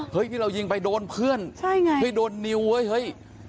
ที่เรายิงไปโดนเพื่อนใช่ไงเฮ้ยโดนนิวเฮ้ยเฮ้ย